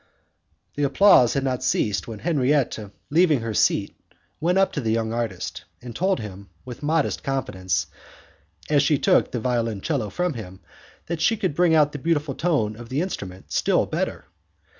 The applause had not yet ceased when Henriette, leaving her seat, went up to the young artist, and told him, with modest confidence, as she took the violoncello from him, that she could bring out the beautiful tone of the instrument still better.